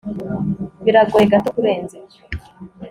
Biragoye gato kurenza ibyo